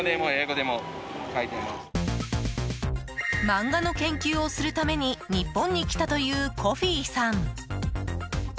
漫画の研究をするために日本に来たというコフィさん。